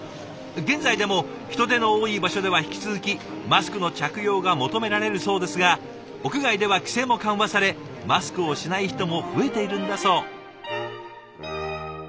現在でも人出の多い場所では引き続きマスクの着用が求められるそうですが屋外では規制も緩和されマスクをしない人も増えているんだそう。